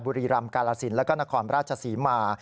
บุรีรำกาลสินแล้วก็นครราชศรีมา